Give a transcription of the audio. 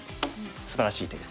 すばらしい手です。